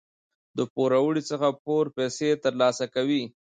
د پوروړي څخه پوره پیسې تر لاسه کوي.